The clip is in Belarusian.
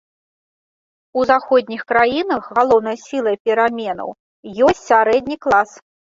У заходніх краінах галоўнай сілай пераменаў ёсць сярэдні клас.